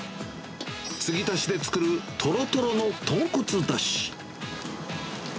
つぎ足しで作るとろとろの豚骨だし。